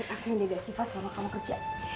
aku yang jaga sifat selama kamu kerja